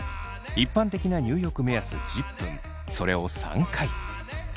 一般的な入浴目安１０分それを３回。